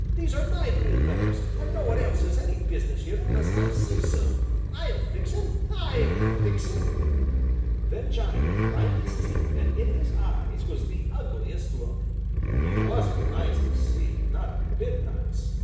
These are my Green Meadows, and no one else has any business here unless I say so! I'll fix him! I'll fix him!" Then Johnny would grind his teeth, and in his eyes was the ugliest look. He wasn't nice to see, not a bit nice.